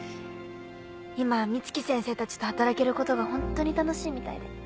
今は美月先生たちと働けることがホントに楽しいみたいで。